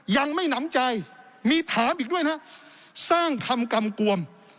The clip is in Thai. ยังไม่หนำใจมีถามอีกด้วยนะสร้างคำกำกวม